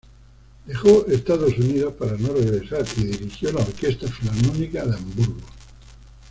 Dejó Estados Unidos, para no regresar, y dirigió la Orquesta Filarmónica de Hamburgo.